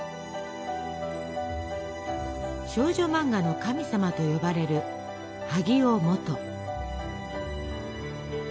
「少女漫画の神様」と呼ばれる萩尾望都。